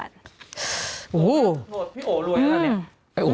โถทธิ์พี่โอ๋รวยแล้วนี่